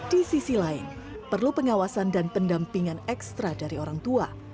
di sisi lain perlu pengawasan dan pendampingan ekstra dari orang tua